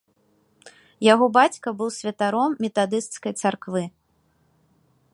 Яго бацька быў святаром метадысцкай царквы.